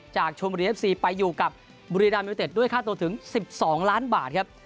ชมบุรีเอฟซีไปอยู่กับบุรีรามยูเต็ดด้วยค่าตัวถึง๑๒ล้านบาทครับ